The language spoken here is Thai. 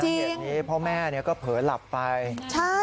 จริงเพราะแม่นี้ก็เผลอหลับไปใช่